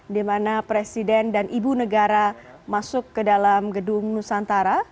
di mana presiden dan ibu negara masuk ke dalam gedung nusantara